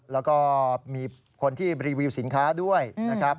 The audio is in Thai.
แล้วก็มีคนที่รีวิวสินค้าด้วยนะครับ